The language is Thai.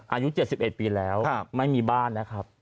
อายุ๗๑ปีแล้วไม่มีบ้านนะครับ